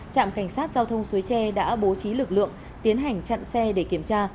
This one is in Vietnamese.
trạm cảnh sát giao thông suối tre đã bố trí lực lượng tiến hành chặn xe để kiểm tra